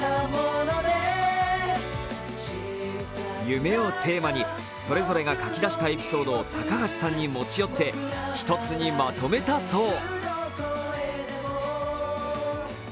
夢をテーマに、それぞれが書き出したエピソードを高橋さんに持ち寄って一つにまとめたそう。